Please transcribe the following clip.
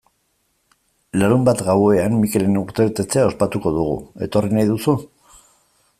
Larunbat gauean Mikelen urtebetetzea ospatuko dugu, etorri nahi duzu?